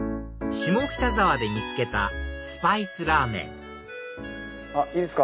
下北沢で見つけたスパイスラーメンいいですか？